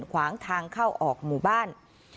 ขวางทางเข้าออกหมู่บ้าน